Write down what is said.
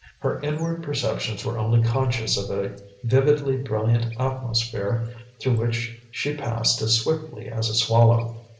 Her inward perceptions were only conscious of a vividly brilliant atmosphere through which she passed as swiftly as a swallow.